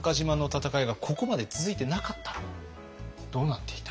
どうなっていた？